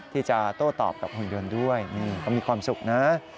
ที่จะโต้ตอบกับหุ่นยนต์ด้วยนี่เขามีความสุขนะ